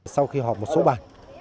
sau khi họp một số bàn